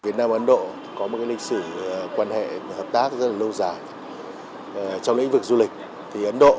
theo số liệu thống kê của vụ lữ hành tổng cục du lịch giữa hai nước